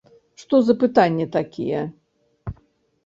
Што за пытанні такія???